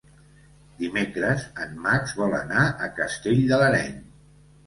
Dimecres en Max vol anar a Castell de l'Areny.